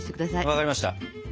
分かりました。